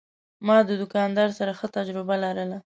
ما د دوکاندار سره ښه تجربه لرله.